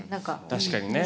確かにね。